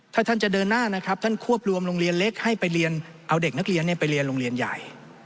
ถ้าท่านจะเดินหน้านะครับท่านควบรวมโรงเรียนเล็กให้ไปเรียนเอาเด็กนักเรียนไปเรียนโรงเรียนใหญ่